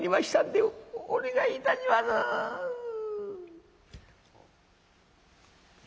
お願いいたします」。